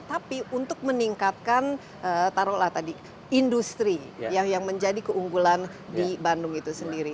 tapi untuk meningkatkan taruhlah tadi industri yang menjadi keunggulan di bandung itu sendiri